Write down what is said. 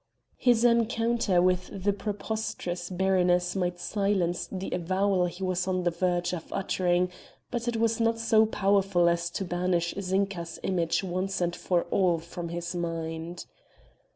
His encounter with the preposterous baroness might silence the avowal he was on the verge of uttering, but it was not so powerful as to banish Zinka's image once and for all from his mind.